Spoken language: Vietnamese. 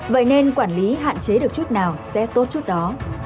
vậy nên quản lý hạn chế được chút nào sẽ tốt chút đó